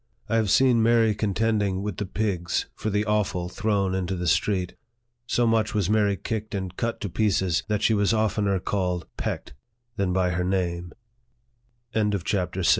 I have seen Mary contending with the pigs for the offal thrown into the street. So much was Mary kicked and cut to pieces, that she was oftener called "pecked" than by her nam